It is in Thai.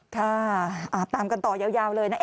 ค่ะตามกันต่อยาวเลยนะ